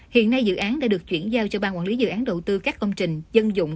hiện nay dự án đã được chuyển giao cho ban quản lý dự án đầu tư các công trình dân dụng